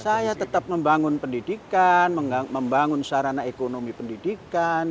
saya tetap membangun pendidikan membangun sarana ekonomi pendidikan